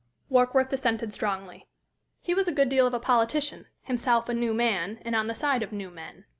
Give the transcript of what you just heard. Warkworth dissented strongly. He was a good deal of a politician, himself a "new man," and on the side of "new men."